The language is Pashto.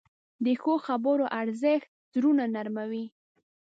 د ښو خبرو ارزښت زړونه نرموې.